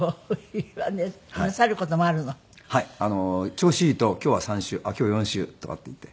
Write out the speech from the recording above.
調子いいと今日は３周あっ今日４周とかっていって。